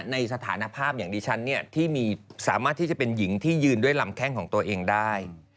ในสถานภาพอย่างดิฉันเนี่ยที่สามารถที่จะเป็นหญิงที่ยืนด้วยลำแข้งของตัวเองได้